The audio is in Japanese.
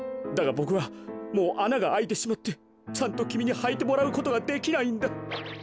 だがボクはもうあながあいてしまってちゃんときみにはいてもらうことができないんだ。